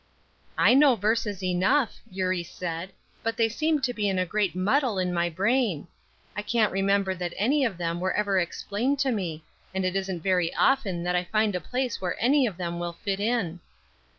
"I know verses enough," Eurie said, "but they seem to be in a great muddle in my brain. I can't remember that any of them were ever explained to me; and it isn't very often that I find a place where any of them will fit in."